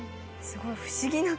すごい不思議な。